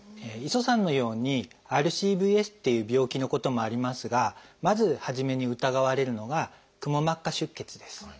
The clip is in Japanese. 磯さんのようにＲＣＶＳっていう病気のこともありますがまず初めに疑われるのが「クモ膜下出血」です。